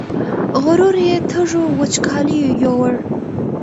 غرور یې تږو وچکالیو یووړ